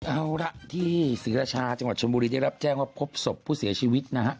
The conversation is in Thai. เอาละที่ศรีราชาจังหวัดชนบุรีได้รับแจ้งว่าพบศพผู้เสียชีวิตนะฮะ